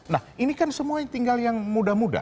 nah ini kan semuanya tinggal yang muda muda